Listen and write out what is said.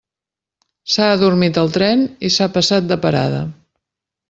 S'ha adormit al tren i s'ha passat de parada.